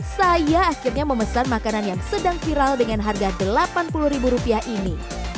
saya akhirnya memesan makanan yang sedang viral dengan harga rp delapan puluh ini